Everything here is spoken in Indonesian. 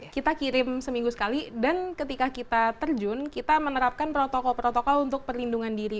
kita kirim seminggu sekali dan ketika kita terjun kita menerapkan protokol protokol untuk perlindungan diri